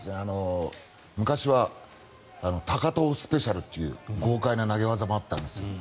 昔は高藤スペシャルという豪快な投げ技もあったんです。